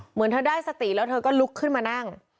เหมือนเธอได้สติแล้วเธอก็ลุกขึ้นมานั่ง